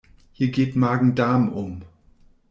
Hier geht Magen-Darm um.